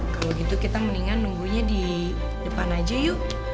kalau gitu kita mendingan nunggunya di depan aja yuk